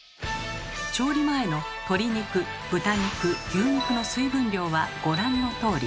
調理前の鶏肉豚肉牛肉の水分量はご覧のとおり。